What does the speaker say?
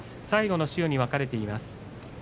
最後の塩に分かれています。